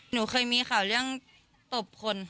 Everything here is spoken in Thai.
หนูเคยมีข่าวเรื่องตบคน